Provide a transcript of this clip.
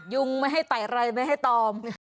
ยุงไม่ให้ไต่ไรไม่ให้ตอม